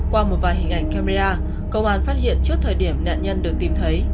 qua một vài hình ảnh camera cơ quan phát hiện trước thời điểm nạn nhân được tìm thấy